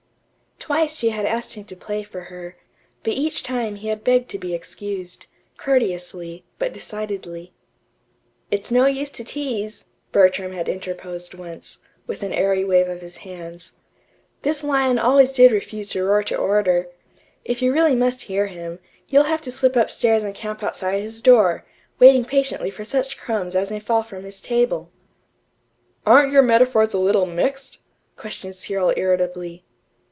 Twice she had asked him to play for her; but each time he had begged to be excused, courteously, but decidedly. "It's no use to tease," Bertram had interposed once, with an airy wave of his hands. "This lion always did refuse to roar to order. If you really must hear him, you'll have to slip up stairs and camp outside his door, waiting patiently for such crumbs as may fall from his table." "Aren't your metaphors a little mixed?" questioned Cyril irritably.